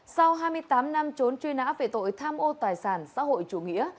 sau hai mươi tám năm trốn truy nã về tội tham ô tài sản xã hội chủ nghĩa